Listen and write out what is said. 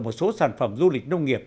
một số sản phẩm du lịch nông nghiệp